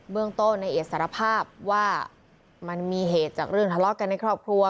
เมืองต้นในเอกสารภาพว่ามันมีเหตุจากเรื่องทะเลาะกันในครอบครัว